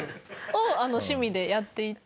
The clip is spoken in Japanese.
趣味でやっていて。